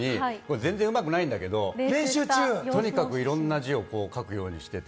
全然うまくないんだけど、とにかくいろんな字を書くようにしてて。